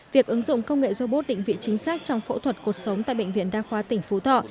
việc ứng dụng công nghệ robot định vị chính xác trong phẫu thuật cuộc sống tại bệnh viện đa khoa tỉnh phú thọ